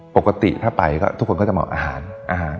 ปกติถ้าไปทุกคนก็จะมาเอาอาหาร